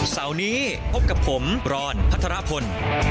เสาร์นี้พบกับผมบรรพัฒนภนภน